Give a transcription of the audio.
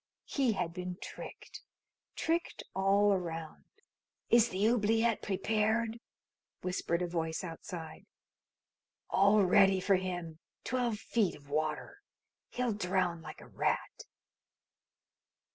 He had been tricked, tricked all around. "Is the oubliette prepared?" whispered a voice outside. "All ready for him. Twelve feet of water. He'll drown like a rat."